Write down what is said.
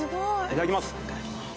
いただきます。